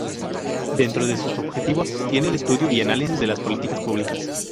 Dentro de sus objetivos tiene el estudio y análisis de las políticas públicas.